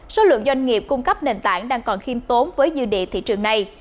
số lượng doanh nghiệp cung cấp nền tảng đang còn khiêm tốn với dư địa thị trường này